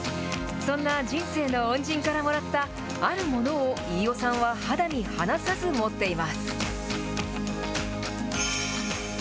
そんな人生の恩人からもらったあるものを、飯尾さんは肌身離さず持っています。